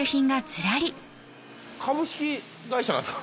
株式会社なんですか？